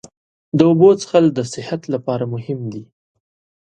د اوبو څښل د صحت لپاره مهم دي.